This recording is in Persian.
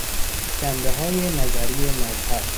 جنبههای نظری مذهب